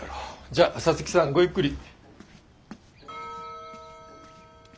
じゃあ皐月さんごゆっくり。